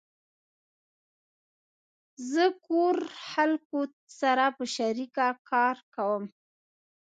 زه کور خلقو سره په شریکه کار کوم